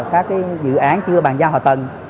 các dự án chưa bàn giao hạ tầng